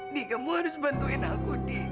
nih kamu harus bantuin aku di